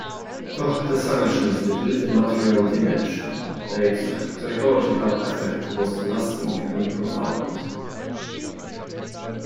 Though the "sanctions" did little material damage, their psychological effect was lasting and profound.